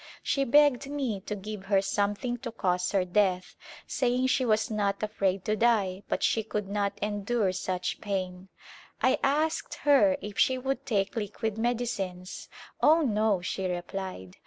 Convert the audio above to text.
She begged me to give her something to cause her death, saying she was not afraid to die but she could not endure such pain. I asked her if she would take liquid medicines. " Oh, no," she replied.